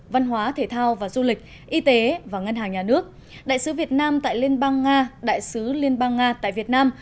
văn hóa thể thao và du lịch y tế và ngân hàng nhà nước đại sứ việt nam tại liên bang nga đại sứ liên bang nga tại việt nam